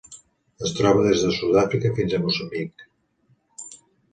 Es troba des de Sud-àfrica fins a Moçambic.